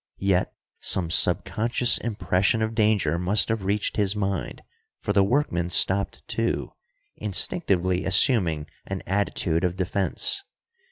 Yet some subconscious impression of danger must have reached his mind, for the workman stopped too, instinctively assuming an attitude of defense.